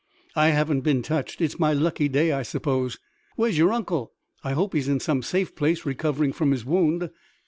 "I haven't been touched. It's my lucky day, I suppose." "Where's your uncle? I hope he's in some safe place, recovering from his wound."